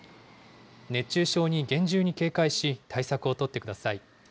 熱中症に厳重に警戒し、対策を取ってください。